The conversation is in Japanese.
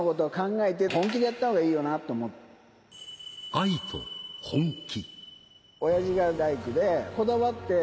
「愛」と「本気」。